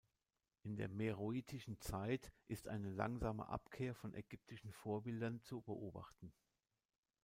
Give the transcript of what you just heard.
In der meroitischen Zeit ist eine langsame Abkehr von ägyptischen Vorbildern zu beobachten.